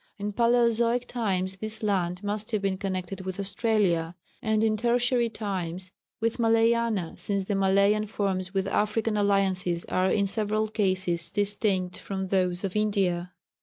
In Palæozoic times this land must have been connected with Australia, and in Tertiary times with Malayana, since the Malayan forms with African alliances are in several cases distinct from those of India.